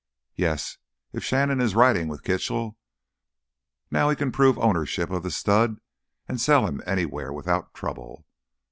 "Yes, if Shannon is riding with Kitchell, now he can prove ownership of that stud and sell him anywhere without trouble."